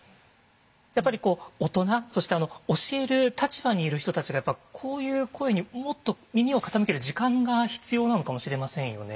やっぱり大人そして教える立場にいる人たちがこういう声にもっと耳を傾ける時間が必要なのかもしれませんよね。